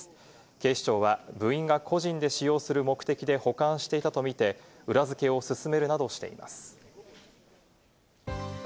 警視庁は部員が個人で使用する目的で保管していたとみて、裏付けを進めるなどしています。